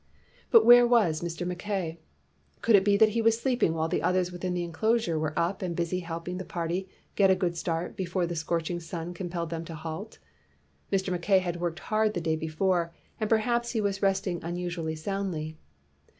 But where was Mr. Mackay % Could it be that he was sleeping while the others within the enclosure were up and busy helping the party get a good start before the scorching sun compelled them to halt? Mr. Mackay had worked hard the day before and per haps he was resting unusually soundly.